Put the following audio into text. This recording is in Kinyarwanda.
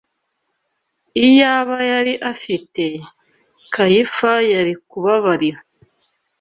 Iyaba yari afite, Kayifa yari kubabarira